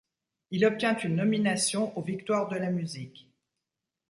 Il obtient une nomination aux Victoires de la musique.